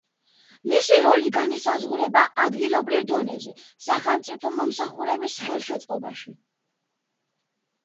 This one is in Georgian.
მისი როლი განისაზღვრება ადგილობრივ დონეზე სახელმწიფო მომსახურების ხელშეწყობაში.